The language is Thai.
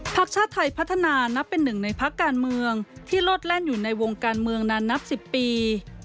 พักชาติไทยพัฒนานับเป็นหนึ่งในพักการเมืองที่โลดแล่นอยู่ในวงการเมืองนานนับ๑๐ปี